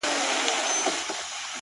چاته يې لمنه كي څـه رانــه وړل;